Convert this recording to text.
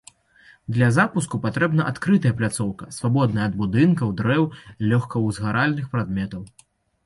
Для запуску патрэбная адкрытая пляцоўка, свабодная ад будынкаў, дрэў, лёгкаўзгаральных прадметаў.